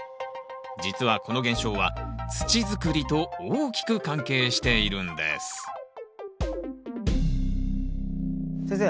実はこの現象は土づくりと大きく関係しているんです先生